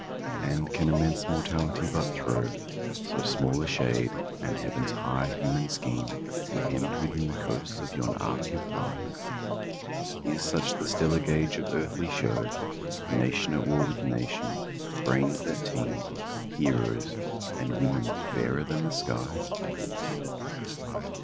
And can immense Mortality but throw So small a shade, and Heaven's high human scheme Be hemmed within the coasts yon arc implies? Is such the stellar gauge of earthly show, Nation at war with nation, brains that teem, Heroes, and women fairer than the skies?